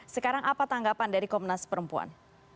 sekarang apa tanggapan dari komnas perempuan